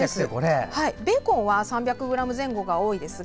ベーコンは３００ｇ前後が多いですが